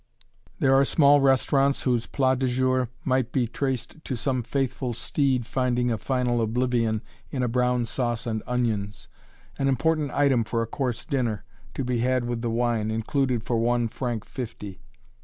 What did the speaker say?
There are small restaurants whose plat du jour might be traced to some faithful steed finding a final oblivion in a brown sauce and onions an important item in a course dinner, to be had with wine included for one franc fifty.